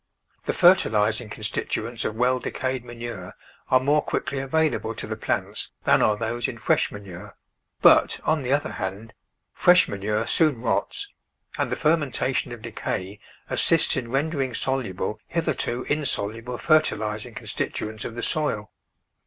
The fertil THE VEGETABLE GARDEN ising constituents of well decayed manure are more quickly available to the plants than are those in fresh manure, but, on the other hand, fresh manure soon rots and the fermentation of decay assists in rendering soluble hitherto insoluble fertilising constituents of the soil.